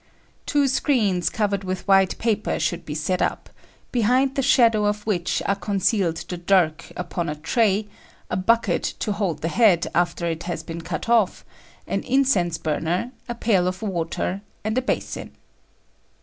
Two screens covered with white paper should be set up, behind the shadow of which are concealed the dirk upon a tray, a bucket to hold the head after it has been cut off, an incense burner, a pail of water, and a basin.